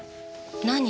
何？